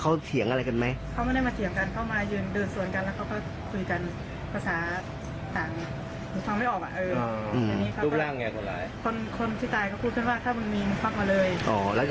ก็ยิงซ้ำแล้วก็เดินออกมาเลย